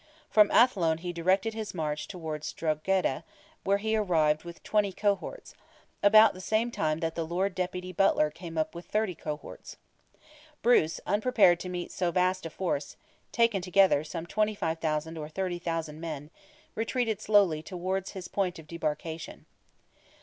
From Athlone he directed his march towards Drogheda, where he arrived with "20 cohorts," about the same time that the Lord Deputy Butler came up with "30 cohorts." Bruce, unprepared to meet so vast a force—taken together some 25,000 or 30,000 men—retreated slowly towards his point of debarkation.